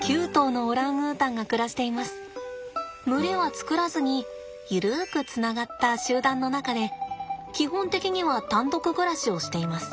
群れは作らずに緩くつながった集団の中で基本的には単独暮らしをしています。